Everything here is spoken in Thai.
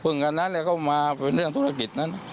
เพิ่งกันแล้วเขามาเป็นเรื่องธุรกิจนั้น